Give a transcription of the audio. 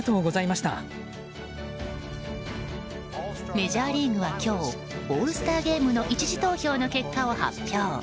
メジャーリーグは今日オールスターゲームの１次投票の結果を発表。